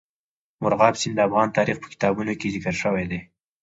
مورغاب سیند د افغان تاریخ په کتابونو کې ذکر شوی دی.